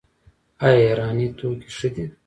آیا ایراني توکي ښه دي؟